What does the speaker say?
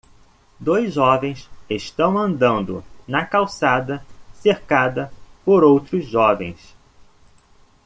Dois jovens estão andando na calçada cercada por outros jovens.